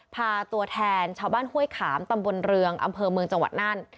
พาตัวแทนชาวบ้านห้วยขามตำบลเรืองอำเภอเมืองจังหวัดน่าน